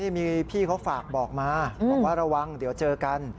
มีพี่เขาฝากบอกมาบอกว่าระวังเดี๋ยวเจอกัน